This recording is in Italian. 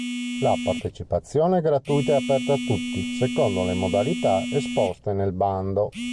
La partecipazione è gratuita e aperta a tutti, secondo le modalità esposte nel bando.